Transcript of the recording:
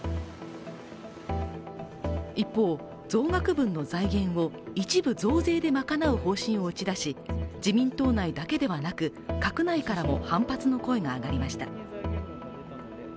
一方、増額分の財源を一部増税で賄う方針を打ち出し自民党内だけではなく、閣内からも反発の声が上がりました。